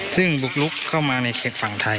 ซึ่งบุกลุกเข้ามาในเขตฝั่งไทย